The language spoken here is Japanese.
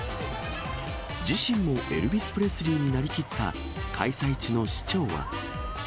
自身もエルビス・プレスリーになりきった、開催地の市長は。